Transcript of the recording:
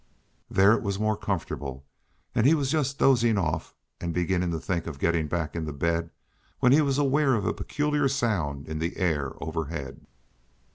There it was more comfortable, and he was just dozing off, and beginning to think of getting back into bed, when he was aware of a peculiar sound in the air overhead.